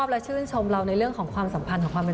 และก่อนไปก็ทางบัฐเทิร์นแหละครับ